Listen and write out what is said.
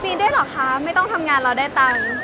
มีได้หรอคะไม่ต้องทำงานแล้วได้ตังค์